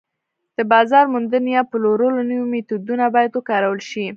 د بازار موندنې یا پلورلو نوي میتودونه باید وکارول شي